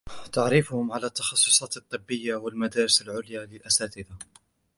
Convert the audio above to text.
تعريفهم على التخصصات الطبية و المدارس العليا للاساتذة.